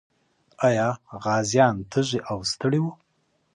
آیا غازیان تږي او ستړي وو؟